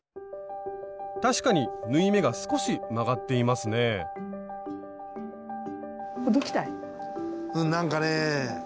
確かに縫い目が少し曲がっていますねうんなんかね。